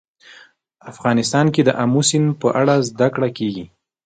افغانستان کې د آمو سیند په اړه زده کړه کېږي.